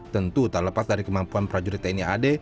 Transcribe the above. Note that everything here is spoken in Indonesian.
tentu tak lepas dari kemampuan prajurit tni ad